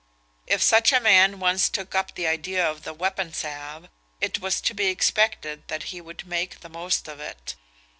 If such a man once took up the idea of the weapon salve, it was to be expected that he would make the most of it.